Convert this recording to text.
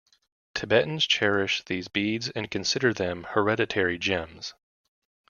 Tibetans cherish these beads and consider them hereditary gems.